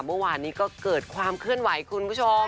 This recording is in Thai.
เมื่อวานนี้ก็เกิดความเคลื่อนไหวคุณผู้ชม